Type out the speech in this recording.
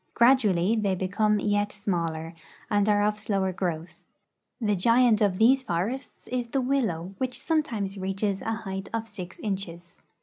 Gradually they become yet smaller and are of slower growth. The giant of these forests is the willow, which sometimes reaches 6 RUSSIA IN EUROPE a height of 6 inches.